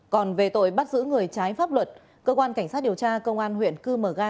còn về tội bắt giữ người trái pháp luật cơ quan cảnh sát điều tra công an huyện cư mờ ga